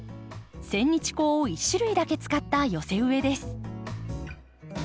センニチコウを１種類だけ使った寄せ植えです。